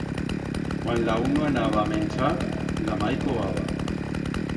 Cuan la uno anaba a menchar, la mai cobaba.